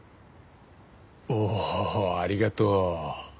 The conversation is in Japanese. おおありがとう。